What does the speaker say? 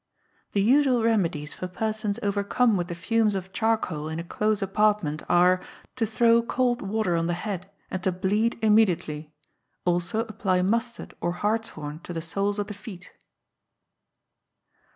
The usual remedies for persons overcome with the fumes of charcoal in a close apartment are, to throw cold water on the head, and to bleed immediately; also apply mustard or hartshorn to the soles of the feet.